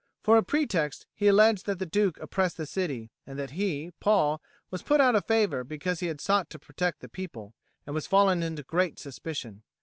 For a pretext he alleged that the Duke oppressed the city, and that he, Paul, was put out of favour because he had sought to protect the people, and was fallen into great suspicion.